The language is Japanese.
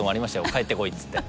「帰ってこい」つって。